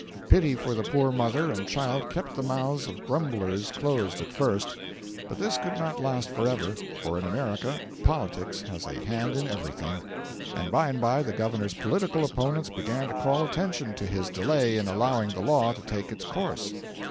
Pity for the poor mother and child kept the mouths of grumblers closed at first; but this could not last for ever for in America politics has a hand in everything and by and by the governor's political opponents began to call attention to his delay in allowing the law to take its course.